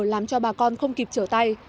làm cho bà con không kịp chở tay